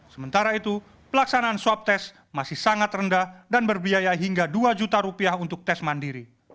sementara itu pelaksanaan swab tes masih sangat rendah dan berbiaya hingga dua juta rupiah untuk tes mandiri